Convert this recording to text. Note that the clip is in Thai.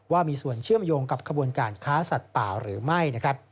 ว่ามีส่วนเชื่อมโยงกับขบวนการค้าสัตว์ป่าหรือไม่